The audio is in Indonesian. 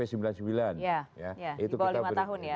ya di bawah lima tahun ya